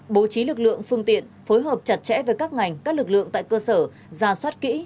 bố trí lực lượng phương tiện phối hợp chặt chẽ với các ngành các lực lượng tại cơ sở ra soát kỹ